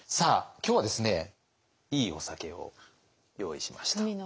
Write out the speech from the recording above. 今日はですねいいお酒を用意しました。